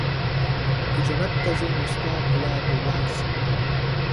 که جنت ته ځي نو ستا په لار به ولاړ سي